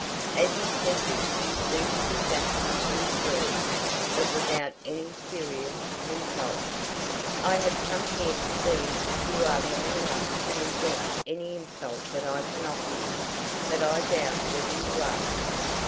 As he said this he suited his action to his words, but without any serious result. "I have come here to see if you are man enough to resent any insult that I can offer you; but I doubt whether you are."